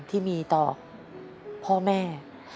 ที่มีต่อพ่อแม่